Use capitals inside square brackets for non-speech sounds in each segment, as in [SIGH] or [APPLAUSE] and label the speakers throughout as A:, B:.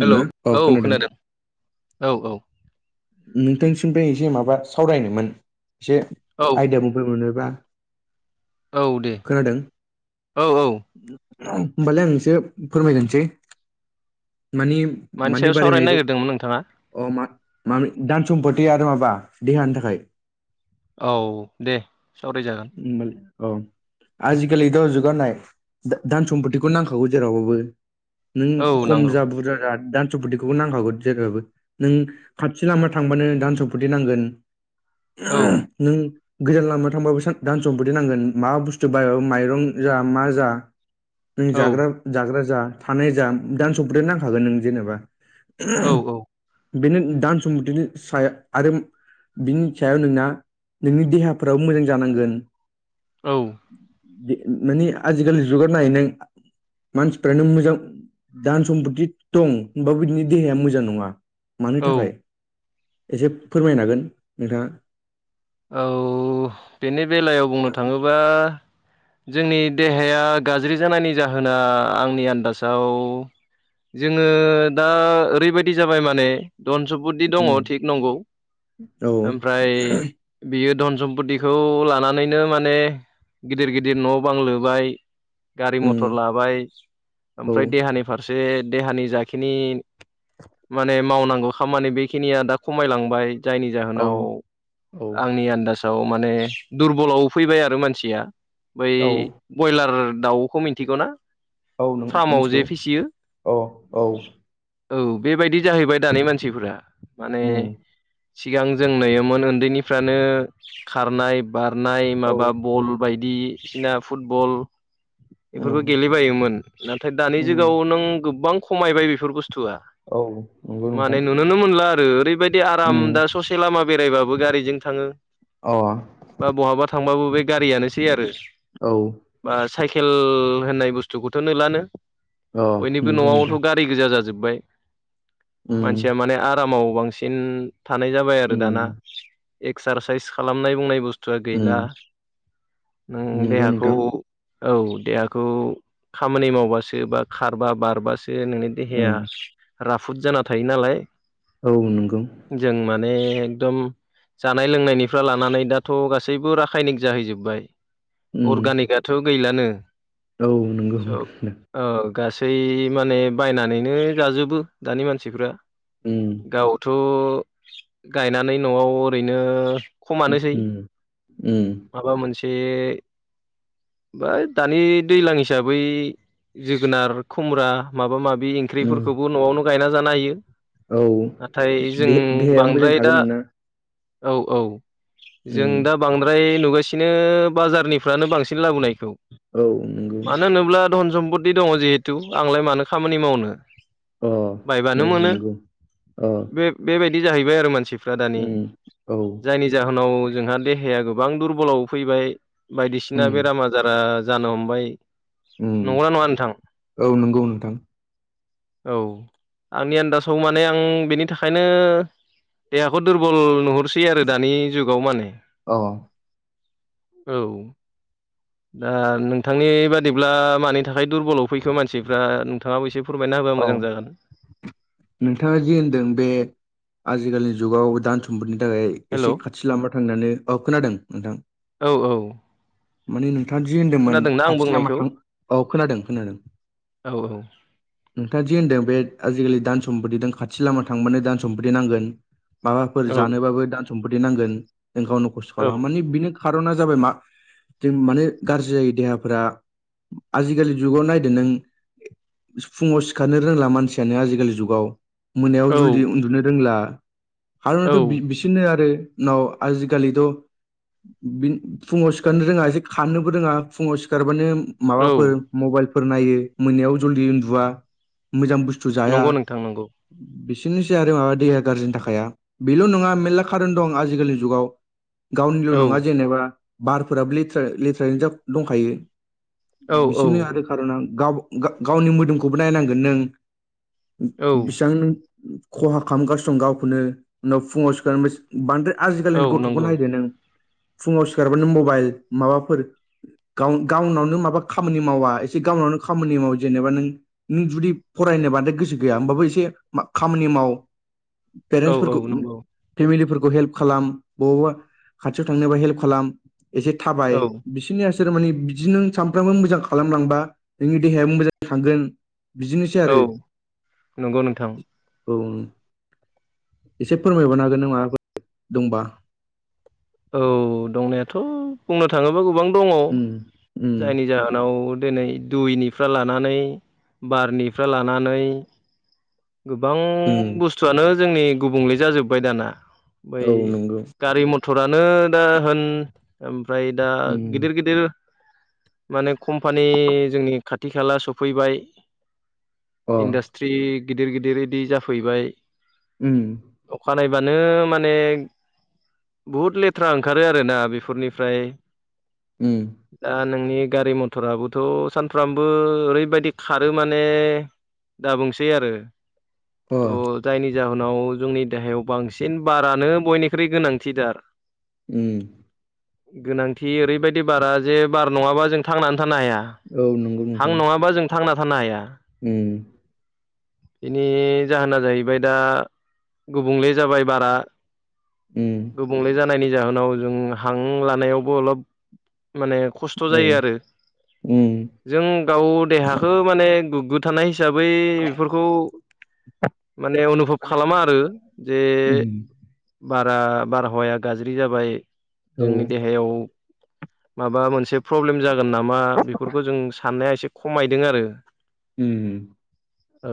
A: Hello
B: अ
A: औ
B: खोनादों।
A: औ औ
B: नोंथांसिनिफ्राय एसे माबा सावरायनोमोन एसे
A: औ
B: आयदिफोर मोनोबा,
A: औ दे
B: खोनादों
A: औ औ
B: होमबालाय आंसो फोरमायग्रोनिसै। माने
A: मानि
B: माने
A: सायाव
B: बारि
A: सावरायनो
B: मैगं
A: नागिरदोंमोन नोंथाङा
B: अ मा मा धान सम्पति आरो माबा देहानि थाखाय।
A: औ दे सावरायजागोन।
B: ओनबालाय औ आजिखालि दा जुगनाय धान सम्पतिखौ नांखागौ जेरावबाबो, नों
A: औ
B: खम
A: नांगौ
B: जा बुरजा जा धानस्पतथिखौबो नांखागौ जेरैबाबो, नों खाथि लामा थांबानो धान सम्फति नांगोन
A: औ
B: नों, गोजान लामायाव थांबाबो धान सम्फति नांगोन मा बुस्थु बायबाबो माइरं जा मा जा, नों
A: औ
B: जाग्रा जाग्रा जा थानाय जा दान सपद नांखागोन नों जेनेबा,
A: औ
B: बेनो धान सम्फतिनि सायाव आरो बिनि सायाव नोंना नोंनि देहाफ्राबो मोजां जानांगोन।
A: औ
B: माने आजिखालि जुगाव नायै नों मानसिफ्रानो मोजां धान सम्पति, दं होनबाबो बिदिनो देहाया मोजां नङा मानो
A: औ
B: थाखाय, एसे फोरमायनो हागोन नोंथाङा?
A: औ बेनि बेलायाव बुंनो थाङोबा, जोंनि देहाया गाज्रि जानायनि जाहोना आंनि आन्दाजाव, जोङो दा ओरैबायाददि जाबाय माने, धन सम्पति
B: उम,
A: दङो थिग नंगौ
B: औ
A: ओमफ्राय, बियो धन सम्पतिखौ लानानैनो माने, गिदिर गिदिर न'बां लुबाय, गारि
B: उम,
A: मथर लाबाय
B: औ
A: ओमफ्राय देहानि फारसे देहानि जाखिनि, माने मावनांगौ खामानि बेखिनिया दा खमायलांबाय जायनि
B: औ
A: जाहोनाव,
B: औ
A: आंनि आन्दाजाव माने दुरबलाव फैबाय आरो मानसिया बै,
B: औ
A: ब्रयलार दावखौ मिन्थिगौ ना?
B: औ नों
A: फार्माव
B: मिथिगौ
A: जे फिसियो
B: औ औ
A: औ बेबायदि जाहैबाय दानि मानसिफोरा माने
B: उम
A: सिगां जों नुयोमोन उन्दैनिफ्रानो खारनाय बारनाय
B: औ
A: माबा बल बायदिसिना फुटबल, बेफोरखौ
B: उम
A: गेलेबायोमोन नाथाय दानि
B: उम
A: गाव नों गोबां खमायबाय बेफोर बुस्थुआ,
B: औ नंगौ नोंथां,
A: नुनो मोनला आरो ओरैबायदि आराम
B: उम
A: दा ससे लामा बेरायबाबो गारिजों थाङो।
B: अ
A: बा बहाबा थांबाबो बे गारियानोसै आरो
B: औ
A: बा साइकेल होननाय बुस्थुखौथ' नोलानो
B: अ
A: बयनिबो
B: नंगौ
A: न'आवथ'
B: नोंथां
A: गा गारि गोजा जाजोब्बाय
B: उम
A: मानसिया माने आरामाव बांसिन, थानाय जाबाय आरो
B: उम
A: दाना। एक्सारसाइस खालामनाय बुंनाय बुस्थुआ
B: उम
A: गैला नों
B: नंगौ
A: देहाखौ
B: नोंथां
A: औ देहाखौ खामानि मावबासो बा खारबा बारबास सो नोंनि देहाया
B: उम
A: राफुद जाना थायो नालाय।
B: औ नंगौ।
A: जों माने एकदम जानाय लोंनायनिफ्रा लानानै दाथ' गासैबो राखायनिक जाहैजोब्बाय
B: उम
A: अर्गानिकआ थ' गैलानो।
B: औ नंगौ।
A: अ गासै माने बायनानैनो जाजोबो दानि मानसिफ्रा।
B: उम
A: गावथ' गायनानै न'आव ओरैनो खमानोसै
B: उम उम
A: माबा मोनसे बा दानि दैलां हिसाबै जोगोनार खुमरा माबा माबि
B: उम
A: ओंख्रिफोरखौबो न'आवनो गायना जानो हायो।
B: औ
A: नाथाय जों
B: दे-देहाया मोजां
A: बांद्राय
B: थागोन
A: दा
B: नोंना
A: औ औ जों
B: उम
A: दा बांद्राय नुगासिनो बाजारनिफ्रानो बांसिन लाबोनायखौ।
B: औ नंगौ
A: मानो होनोब्ला धन सम्पति दङ जिहेथु आंलाय मानो खामानि मावनो।
B: अ
A: बायबानो
B: ओइ
A: मोनो
B: नंगौ अ
A: बे-बेबायदि जाहैबाय आरो मानसि
B: उम औ।
A: जायनि जाहोनाव जोंहा देहाया गोबां दुरबलाव फैबाय बायदिसिना
B: उम
A: बेराम आजारा जानो हमबाय।
B: उम
A: नंगौना नङा नोंथां?
B: औ नंगौ नोंथां
A: औ आंनि आन्दाजाव माने आं बेनि थाखायनो देहाखौ दुरबल नुहरसै आरो दानि जुगाव माने।
B: अ
A: औ दा नोंथांनि बादिब्ला मानि थाखाय दुरबलाव फैखो मानसिफ्रा थाङाबो एसे फोरमायना होबा
B: औ
A: मोजां जागोन।
B: नोंथाङा जि होनदों बे आजिखालिनि जुगाव दान सम्पतिनि थाखाय
A: हेल'
B: एसे खाथि लामा थांनानो औ खोनादों नोंथां
A: औ औ।
B: माने नोंथाङा जि होन्दोंमोन
A: खोनादोंना आं
B: खाथि लामा
A: बुंनायखौ
B: थां औ खोनादों खोनादों
A: औ औ।
B: नोंथाङा जि होन्दों बे आजिखालि दान सम्पतिजों खाथि लामा थांबानो धान सम्फति नांगोन। माबाफोर
A: औ
B: जानोबाबो दान सम्फति नांगोन जों गावनो खस्थ'
A: औ
B: खालामो माने बिनो खार'ना जाबाय मा जों माने गारजि जायो देहाफोरा। आजिखालि जुगाव नायदो नों फुङाव सिखारनो रोंला मानसियानो आजिखालि जुगाव मोनायाव
A: औ
B: जल्दि उन्दुनो रोंला।
A: औ
B: खार'नाथ' बि-बिसोरनो आरो नाव आजिखालिथ' बिन फुङाव सिखारनो रोङा एसे खारनोबो रोङा फुङाव सिखारबानो माबाफोर
A: औ
B: मबाइलफोर नायो मोननायाव जलदि उन्दुवा मोजां बुस्थ थु जाया
A: नंगौ नोंथां नंगौ
B: बिसोरनोसै आरो माबा देहा गारजि थाखाया। बेल' नङा मेरला खारन दं आजिखालिनि जुगाव गावनिल'
A: औ
B: नङा जेनेबा बारफोराबो लेथ्रा [UNINTELLIGIBLE] दंखायो
A: औ औ
B: बिसोरनो आरो खारनां गाव-गा-गावनि मोदोमखौबो नायनांगोन नों
A: औ
B: बेसेबां नों खहा खालामगासिनो दं गावखौनो उनाव फुङाव सिखार बांद्राय
A: औ
B: आजिखालिनि गथ'खौ
A: नंगौ
B: नायदो नों फुङाव सिखारबानो मबाइल माबाफोर गाव गावनावनो माबा खामानि मावा एसे गावनावनो खामानि माव जेनेबा नों नों जुदि फरायनो बांद्राय गोसो गैया होमबाबो एसे खामानि माव।
A: औ औ
B: पेरेन्टसफोरखौ
A: नंगौ
B: फेमिलिफोरखौ हेल्प खालाम बबावबा खाथियाव थांनोबा हेल्प खालाम। एसे थाबाय
A: औ
B: बिसोरनियासोर माने बिदि नों सानफ्रामबो मोजां खालामलांबा नोंनि देहाया मोजां थांगोन बिदिनोसै
A: औ
B: आरो।
A: नंगौ नोंथां
B: औ एसे फोरमायबावनो हागोन [UNINTELLIGIBLE] दंबा
A: औ दंनायाथ' बुंनो थाङोबा गोबां दङ
B: उम उम
A: जायनि जाहोनाव दिनै दुइनिफ्राय लानानै बारनिफ्राय लानानै गोबां
B: उम
A: बुस्थुआनो जोंनि गुबुंले जाजोब्बाय दाना बै
B: औ नंगौ
A: गारि मथर मटरानो दा होन ओमफ्राय दा
B: उम
A: गिदिर- गिदिर माने कम्पानि जोंनि खाथि -खाला सौफैबाय।
B: अ
A: इन्डास्ट्रि गिदिर- गिदिर बिदि जाफैबाय।
B: उम।
A: अखा नायबानो माने बुहुद लेथ्रा ओंखारो आरो ना बेफोरनिफ्राय।
B: ओम।
A: दा नोंनि गारि मथराबोथ' सानफ्रामबो ओरैबायदि खारो माने दाबुंसै आरो
B: अ
A: थ' जायनि जाहोनाव जोंनि देहायाव बांसिन बारानो बयनिख्रुइ गोनांथिथार।
B: उम।
A: गोनांथि ओरैबायदि बारा जे बार नङाबा जों थांनानै थानो हाया।
B: औ नंगौ
A: हां
B: नोंथां
A: नङाबा जों थांना थानो हाया।
B: उम।
A: बेनि जाहोना जाहैबाय दा गुबुंले जाबाय बारा।
B: उम।
A: गुबुंले जानायनि जाहोनाव जों हां लानायावबो अलप माने खस्थ'
B: औ
A: जायो आरो
B: उम
A: जों गाव देहाखौ माने [UNINTELLIGIBLE] थानाय हिसाबै बेफोरखौ माने [UNINTELLIGIBLE] [UNINTELLIGIBLE] खालामा आरो जे
B: उम
A: बारा बारहावाया गाज्रि जाबाय।
B: औ
A: जोंनि देहायाव माबा मोनसे प्रब्लेम जागोन नामा बेफोरखौ जों साननाया एसे खमायदों आरो।
B: उम।
A: औ।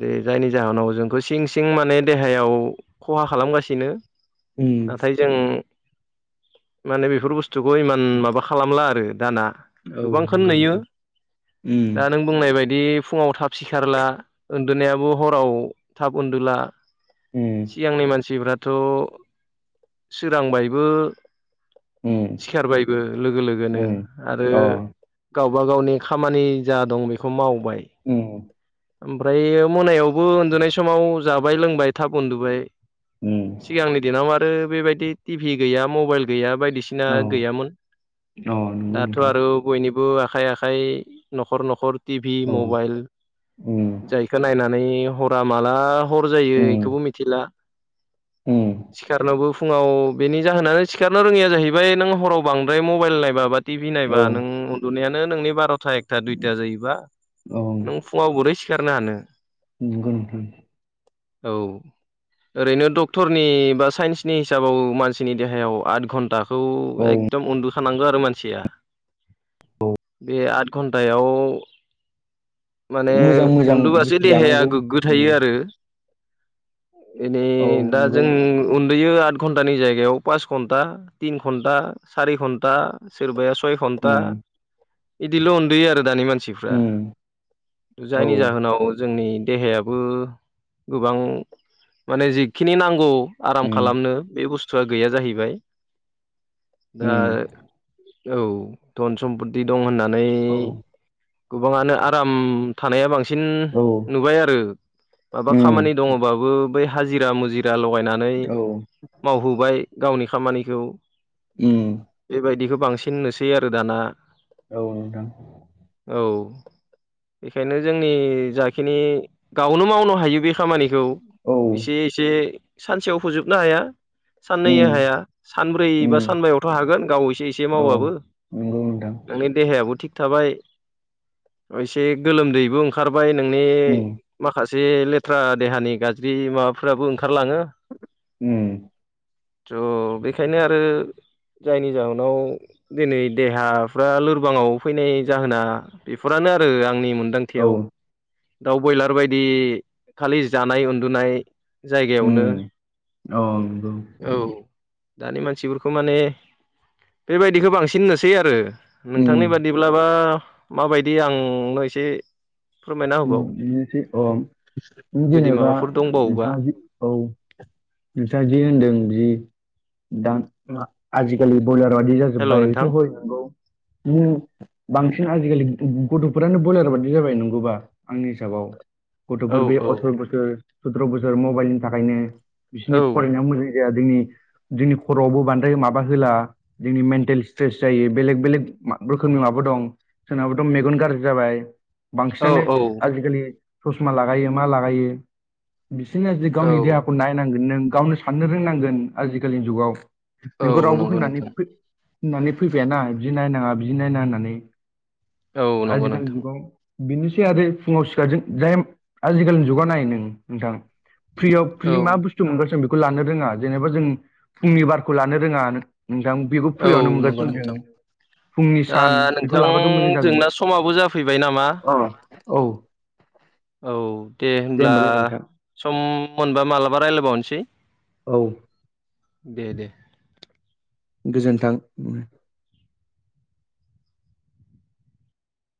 A: दे जायनि जाहोनाव जोंखौ सिं -सिं माने देहायाव खहा खालामगासिनो।
B: उम
A: नाथाय जों माने बेफोर बुस्थु बुस्थुखौ इमान माबा खालामला आरो दाना
B: औ
A: गोबांखौनो
B: नंगौ
A: नुयो
B: नोंथां
A: दा
B: उम
A: नों बुंनाय बायदि फुङाव थाब सिखारला उन्दुनायाबो हराव थाब उन्दुला।
B: उम
A: सिगांनि मानसिफ्राथ' सोरांबायबो
B: उम
A: सिखारबायबो लोगो लोगोनो
B: उम
A: आरो
B: अ
A: गावबा गावनि खामानि जा दं बेखौ मावबाय।
B: ओम।
A: ओमफ्राय मोनायावबो उन्दुनाय समाव जाबाय लोंबाय थाब उन्दुबाय।
B: उम
A: सिगांनि दिनाव आरो बेबायदि टि भि गैया मबाइल गैया बायदिसिना
B: औ
A: [UNINTELLIGIBLE] गैयामोन
B: अ नंगौ
A: दाथ'
B: नोंथां
A: आरो बयनिबो आखाइ -आखाइ न'खर- न'खर टि भि
B: औ
A: मबाइल
B: उम।
A: जायखौ नायनानै हरा माला हर जायो बेखौबो मिथिला।
B: ओम।
A: सिखारनोबो फुङाव बेनि जाहोनानो सिखारनो रोङिया जाहैबाय नों हराव बांद्राय मबाइल नायबा बाट टि भि
B: औ
A: नायबा नों उन्दुनायानो नोंनि बार'था एकथा दुइथा जायोबा
B: औ।
A: नों फुङाव गुरै सिखारनो हानो?
B: [UNINTELLIGIBLE]
A: औ ओरैनो डक्थरनि बा साइन्सनि हिसाबाव मानसिनि देहायाव आद घन्टा खौ
B: औ
A: एकदम उन्दु खानांगो आरो मानसिया बे आद घन्टायाव माने
B: मोजां मोजां
A: उन्दुबासो
B: बुस्थु
A: देहाया
B: जानांगौ
A: गोग्गो
B: उम
A: थायो आरो। एनै
B: औ
A: दा
B: नंगौ
A: जों उन्दुयो आद घन्टानि जायगायाव पास घन्टा टिन घन्टा सारि घन्टा सोरबाया सय घन्टा
B: उम
A: इदिल' उन्दुयो आरो दानि मानसि
B: उम औ
A: जायनि जाहोनाव जोंनि देहायाबो गोबां माने जिखिनि नांगौ आराम
B: उम
A: खालामनो बे बुस्थुआ गैया जाहैबाय। दा
B: उम
A: औ धन सम्पति दं होननानै
B: औ
A: गोबाङानो आराम थानाया बांसिन
B: औ
A: नुबाय आरो माबा
B: उम
A: खामानि दङोबाबो बै हाजिरा मुजिरा लगायनानै
B: औ
A: मावहोबाय गावनि खामानिखौ
B: उम
A: बेबायदिखौ बांसिन नुसै आरो दाना।
B: औ नोंथां।
A: औ बेखायनो जोंनि जाखिनि गावनो मावनो हायो बे खामानिखौ।
B: औ
A: एसे एसे सानसेयाव फोजोबनो हाया।
B: उम
A: साननैया हाया सानब्रै बा
B: उम
A: सानबायावथ' हागोन गाव एसे एसे
B: औ
A: मावबाबो।
B: नंगौ नोंथां
A: नोंनि देहायाबो थिग थाबाय। एसे गोलोमदैबो ओंखारबाय नोंनि
B: उम
A: माखासे लेथ्रा देहानि गाज्रि माबाफोराबो ओंखारलाङो।
B: उम
A: थ्र बेखायनो आरो जायनि जाहोनाव दिनै देहाफ्रा लोरबाङाव फैनाय जाहोना बेफ फोरानो आरो आंनि
B: औ
A: मोन्दांथियाव। दाउ बयलार बायदि खालि जानाय उन्दुनाय। जायगायावनो
B: उम औ नंगौ
A: औ दानि मानसिफोरखौ माने बेबायदिखो बांसिन नोसै आरो नोंथांनि
B: उम
A: बादिब्लाबा माबाय दे आं न' एसे फोरमायना होबाव
B: [UNINTELLIGIBLE] औ
A: जुदि माबाफोर दंबावोबा
B: नोंथां जि होनदों जि दा [UNINTELLIGIBLE] आजिखालि बयलार बादि
A: हेल'
B: जाजोब्बाय बेथ'
A: नोंथां
B: हय नंगौ उम बांसिन आजिखालि गथ'फोरानो बयलार बादि जाबाय नंगौबा। आंनि हिसाबाव
A: औ
B: गथ'फोर बे
A: औ
B: अथ्र' बोसोर सथ्र' बोसोर मबाइलनि थाखायनो
A: औ
B: बिसिनि फरायनायाव मोजां जाया जोंनि जोंनि खर'आवबो बांद्राय माबा होला जोंनि मेन्टेल स्ट्रेस जायो बेलेग बेलेग मा रोखोमनि माफोर दं। सोरनाबाथ' मेगन गाज्रि जाबाय।
A: औ
B: बांसिनानो
A: औ
B: आजिखालि ससमा लागायो मा लागायो। बिसिनो आजि
A: औ
B: गावनि देहाखौ नायनांगोन नों गावनो साननो रोंनांगोन आजिखालिनि जुगाव।
A: औ
B: नोंखौ रावबो
A: नंगौ
B: होननानै
A: नोंथां
B: फै होननानै फैफायाना बिदि नायनाङा बिदि नायना होननानै।
A: औ नंगौ
B: आजिखालि
A: नोंथां
B: जुगाव बिनोसै आरो फुङाव सिखारजों जायेम आजिखालिनि जुगाव नाय नों नोंथां फ्रियाव फ्रि
A: औ
B: मा बुस तु मोनगोन जों बेखौ लानो रोङा जेनेबा जों फुंनि बारखौ लानो रोङा नोंथां बेखौ
A: औ
B: फ्रियावनो
A: नंगौ
B: मोनगासिनो दं
A: नोंथां
B: जों। फुंनि
A: दा
B: सान बेखौ
A: नोंथां
B: लाबाथ' मोजां जागोन।
A: जोंना समाबो जाफैबाय नामा
B: अ औ।
A: औ दे होनब्ला
B: होमबालाय नोंथां
A: सम मोनबा मालाबा रायलायबावनोसै।
B: औ।
A: दे दे।
B: गोजोन्थां। उम।